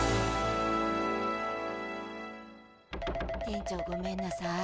店長ごめんなさい。